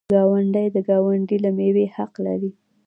ګاونډی د ګاونډي له میوې حق لري.